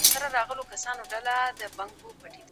د دولتونو ترمنځ اړيکي نه وې جوړي سوي.